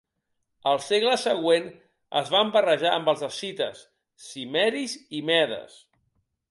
Al segle següent es van barrejar amb els escites, cimmeris i medes.